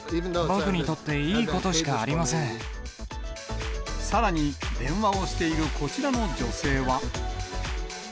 僕にとっていいことしかありさらに、電話をしているこちらの女性は。